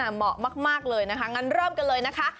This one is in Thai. เหมาะมากเลยนะคะงั้นเริ่มกันเลยนะคะ